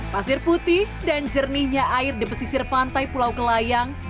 pasir putih dan jernihnya air di pesisir pantai pulau kelayang